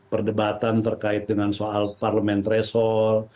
perdebatan terkait dengan soal parlement threshold